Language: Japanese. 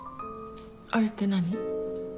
あれって何？